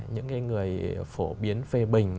những người phổ biến phê bình